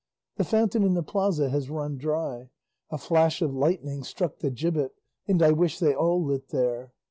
The fountain in the plaza has run dry. A flash of lightning struck the gibbet, and I wish they all lit there.